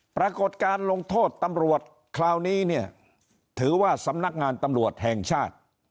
ปรากฏการลงโทษตำรวจคราวนี้เนี่ยถือว่าสำนักงานตำรวจแห่งชาติ